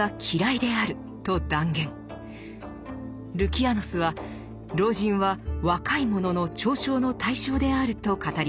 ルキアノスは「老人は『若い者の嘲笑の対象』である」と語ります。